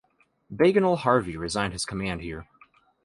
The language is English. Bagenal Harvey resigned his command here.